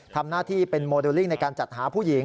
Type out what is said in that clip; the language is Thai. ทำหน้าที่เป็นโมเดลลิ่งในการจัดหาผู้หญิง